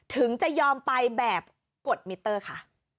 ถึงจะยอมไปแบบกดมิเตอร์ค่ะ